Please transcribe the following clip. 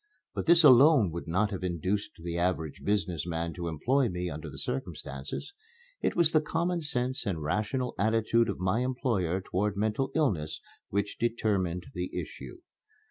But this alone would not have induced the average business man to employ me under the circumstances. It was the common sense and rational attitude of my employer toward mental illness which determined the issue.